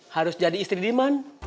harus jadi istri diman